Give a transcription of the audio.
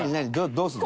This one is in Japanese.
どうするの？